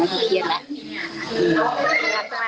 อยากให้สังคมรับรู้ด้วย